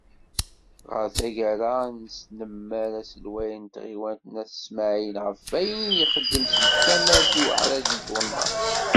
Ɣer taggara, yesnemmer aselway n tɣiwant n At Smaεel ɣef wayen i ixeddem seg tama-s i uḥraz n twennaḍt.